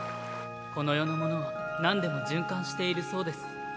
この世のものはなんでも循環しているそうです。